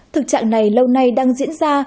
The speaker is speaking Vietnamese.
thực trạng này lâu nay đang diễn ra